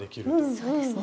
そうですね